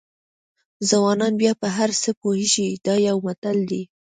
ځوانان بیا په هر څه پوهېږي دا یو متل دی.